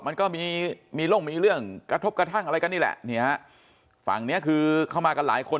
มันก็มีมีร่มมีเรื่องกระทบกระทั่งอะไรกันนี่แหละนี่ฮะฝั่งเนี้ยคือเข้ามากันหลายคน